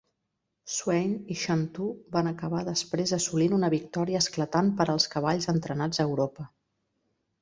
Swain i Shantou van acabar després assolint una victòria esclatant per als cavalls entrenats a Europa.